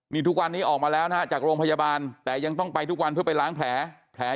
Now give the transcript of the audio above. นี่ทุกวันนี้ออกมาแล้วนะฮะจากโรงพยาบาลแต่ยังต้องไปทุกวันเพื่อไปล้างแผล